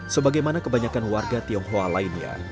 sebagaimana kebanyakan warga tionghoa lainnya